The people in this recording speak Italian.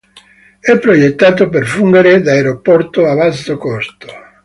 È progettato per fungere da aeroporto a basso costo.